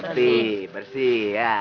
putih bersih ya